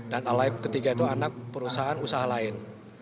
dan alip ketiga itu anak perusahaan usaha lain